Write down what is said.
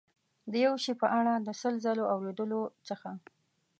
د یو شي په اړه د سل ځلو اورېدلو څخه.